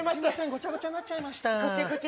ごちゃごちゃになっちゃいました。